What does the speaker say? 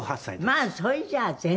「まあ！それじゃあ全然」